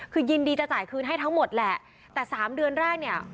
คือยินดีจะจ่ายคืนให้ทั้งหมดแหละแต่สามเดือนแรกเนี่ย